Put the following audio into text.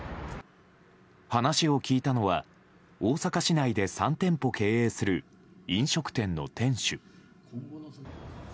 話を聞いたのは大阪市内で３店舗経営する飲食店の店主。